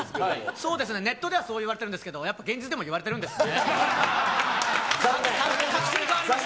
そうですね、ネットではそういわれてるんですけれども、現実でもいわれてるんですね。